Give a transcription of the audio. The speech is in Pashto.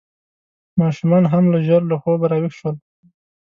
ماشومان هم ژر له خوبه راویښ شول.